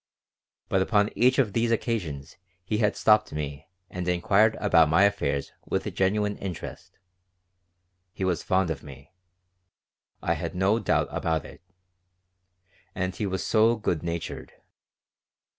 But upon each of these occasions he had stopped me and inquired about my affairs with genuine interest. He was fond of me. I had no doubt about it. And he was so good natured.